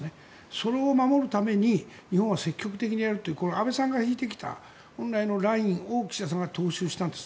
それを守るために日本は積極的にやるという安倍さんが引いてきた本来のラインを岸田さんが踏襲したんです。